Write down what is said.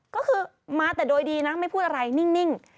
ก็คือมาแต่โดยดีนะไม่พูดอะไรนิ่ง